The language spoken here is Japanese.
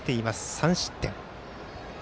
３失点。